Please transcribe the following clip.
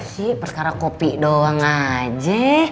sih perkara kopi doang aja